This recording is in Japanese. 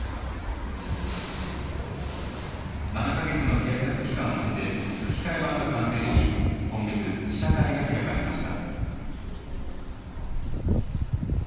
７か月の製作期間を経て、吹き替え版が完成し、今月、試写会が開かれました。